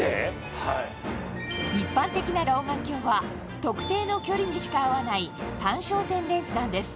一般的な老眼鏡は特定の距離にしか合わない単焦点レンズなんです